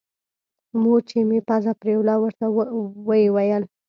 مور چې مې پزه پرېوله ورته ويې ويل.